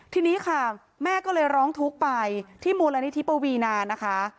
ทีนี้ค่ะแม่ก็เลยร้องทุกข์ไปที่มูลนิธิปวีนานะคะ